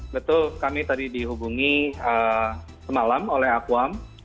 betul kami tadi dihubungi semalam oleh akuam